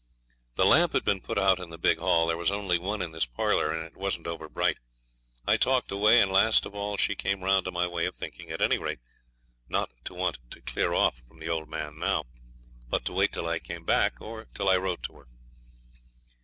The lamp had been put out in the big hall. There was only one in this parlour, and it wasn't over bright. I talked away, and last of all she came round to my way of thinking; at any rate not to want to clear off from the old man now, but to wait till I came back, or till I wrote to her.